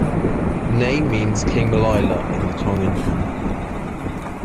The name means "King Malila" in the Tongan language.